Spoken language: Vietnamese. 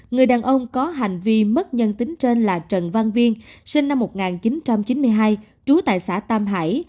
người đàn ông có hành vi mất nhân tính trên là trần văn viên sinh năm một nghìn chín trăm chín mươi hai trú tại xã tam hải